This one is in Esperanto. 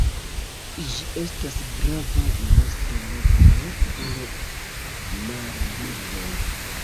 Ĝi estas grava nestoloko por marbirdoj.